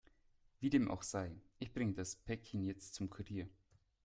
Wie dem auch sei, ich bringe das Päckchen jetzt zum Kurier.